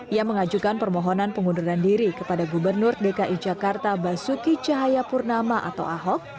ia mengajukan permohonan pengunduran diri kepada gubernur dki jakarta basuki cahayapurnama atau ahok